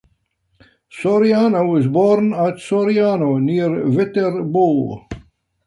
Soriano was born at Soriano, near Viterbo.